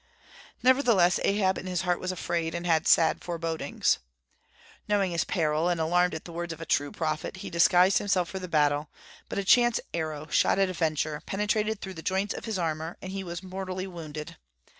Nevertheless Ahab in his heart was afraid, and had sad forebodings. Knowing his peril, and alarmed at the words of a true prophet, he disguised himself for the battle; but a chance arrow, shot at a venture, penetrated through the joints of his armor, and he was mortally wounded.